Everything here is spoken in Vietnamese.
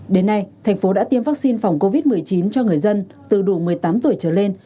đến nay thành phố đã tiêm vaccine phòng covid một mươi chín cho người dân từ đủ một mươi tám tuổi trở lên